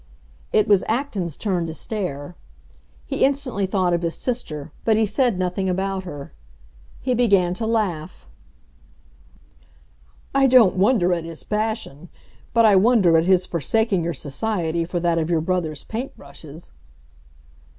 It was Acton's turn to stare. He instantly thought of his sister; but he said nothing about her. He began to laugh. "I don't wonder at his passion! But I wonder at his forsaking your society for that of your brother's paint brushes."